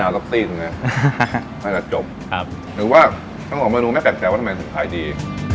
ทั้งของมนุษย์ไม่แปลกแปลว่าทำไมสุดท้ายดี